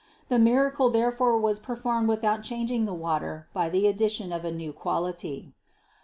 The miracle therefore was performed without changing the water by the addition of a new quality.